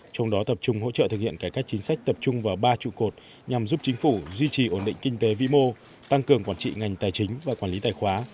trong đó tập trung hỗ trợ thực hiện cải cách chính sách tập trung vào ba trụ cột nhằm giúp chính phủ duy trì ổn định kinh tế vĩ mô tăng cường quản trị ngành tài chính và quản lý tài khoá